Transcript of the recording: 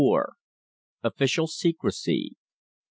OFFICIAL SECRECY.